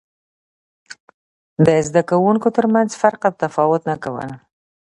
د زده کوونکو ترمنځ فرق او تفاوت نه کول.